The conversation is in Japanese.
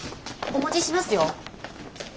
お持ちしますよ。